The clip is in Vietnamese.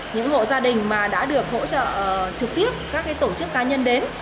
những hộ gia đình mà đã được hỗ trợ trực tiếp các tổ chức cá nhân đến